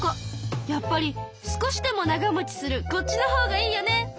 やっぱり少しでも長もちするこっちのほうがいいよね！